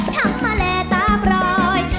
ทำมาแล้วตาปลอย